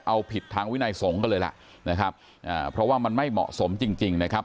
เอาผิดทางวินัยสงฆ์กันเลยล่ะนะครับเพราะว่ามันไม่เหมาะสมจริงจริงนะครับ